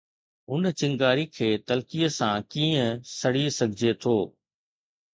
اُن چنگاري کي تلخيءَ سان ڪيئن سڙي سگهجي ٿو؟